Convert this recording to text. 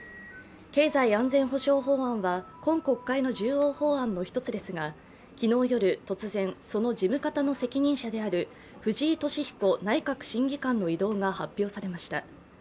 経済安全保障法案は今国会の重要法案の一つですが昨日夜、突然、その事務方の責任者である藤井敏彦内閣審議官の異動が発表されました。